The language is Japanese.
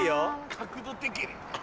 角度的に。